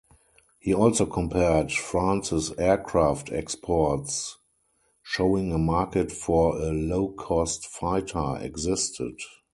He also compared France's aircraft exports, showing a market for a low-cost fighter existed.